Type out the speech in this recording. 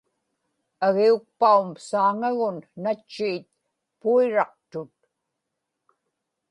agiukpaum saaŋagun natchiit puiraqtut